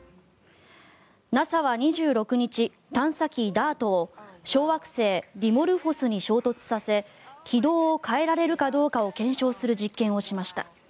ＮＡＳＡは２６日探査機ＤＡＲＴを小惑星ディモルフォスに衝突させ軌道を変えられるかどうか検証する実験を開始しました。